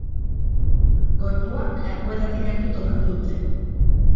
Gorpua lakuetatik gertu topatu dute.